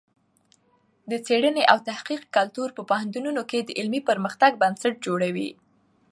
د څېړنې او تحقیق کلتور په پوهنتونونو کې د علمي پرمختګ بنسټ جوړوي.